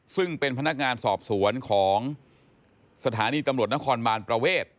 ซึ่งเป็นพนักงานสอบสวนของสถานีตำรวจนครบานประเวท